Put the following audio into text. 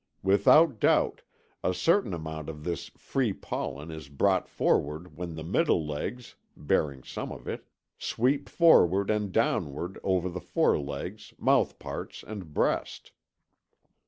Without doubt a certain amount of this free pollen is brought forward when the middle legs, bearing some of it, sweep forward and downward over the forelegs, mouthparts, and breast.